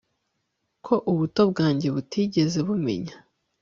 Ko ubuto bwanjye butigeze bumenya